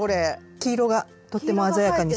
黄色がとっても鮮やかに染まります。